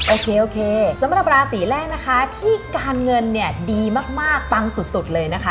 โอเคโอเคสำหรับราศีแรกนะคะที่การเงินเนี่ยดีมากปังสุดเลยนะคะ